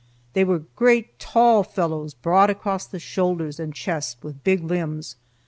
They were great, tall fellows, broad across the shoulders and chest, with big limbs.